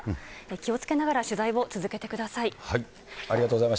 気をつけながら、取材を続けてください。